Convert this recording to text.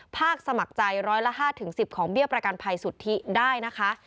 สมัครใจร้อยละ๕๑๐ของเบี้ยประกันภัยสุทธิได้นะคะ